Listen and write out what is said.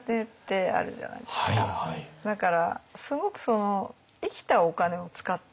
だからすごくその生きたお金を使ってる感じがしますね